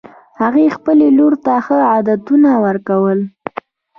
هغې خپلې لور ته ښه عادتونه ورکړي